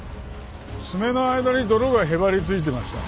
爪の間に泥がへばりついてました。